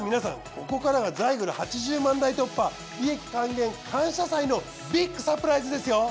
ここからがザイグル８０万台突破利益還元感謝祭のビッグサプライズですよ！